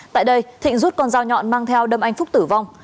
tại đây thịnh rút con dao nhọn mang theo đâm anh phúc tử vong